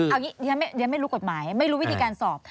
เอาอย่างนี้เรียนไม่รู้กฎหมายไม่รู้วิธีการสอบ